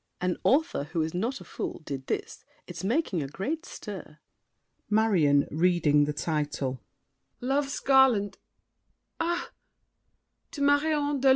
An author who is not a fool, did this. It's making a great stir. MARION (reading the title). "Love's Garland"—ah! "To Marion de Lorme."